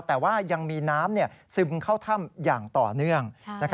แต่ว่ายังมีน้ำซึมเข้าถ้ำอย่างต่อเนื่อง